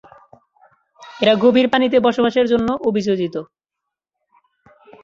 এরা গভীর পানিতে বসবাসের জন্য অভিযোজিত।